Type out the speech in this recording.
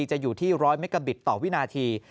จะอยู่ที่๑๐๐เมกาบิตต่อวินาที